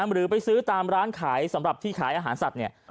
หรือไปซื้อตามร้านขายสำหรับที่ขายอาหารสัตว์เนี่ย